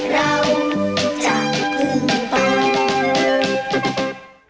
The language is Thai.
เราจะคืนไป